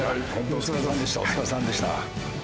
お疲れさんでした。